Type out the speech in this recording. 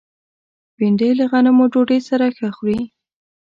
بېنډۍ له غنمو ډوډۍ سره ښه خوري